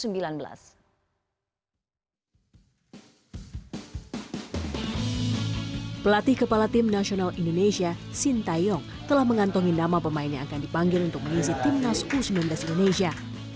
pelatih kepala tim nasional indonesia sintayong telah mengantongi nama pemain yang akan dipanggil untuk mengisi timnas u sembilan belas indonesia